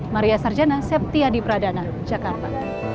maria sarjana septia di pradana jakarta